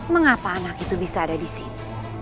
mengapa anak itu bisa ada di sini